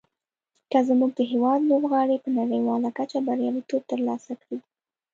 که زموږ هېواد لوبغاړي په نړیواله کچه بریالیتوب تر لاسه کړي.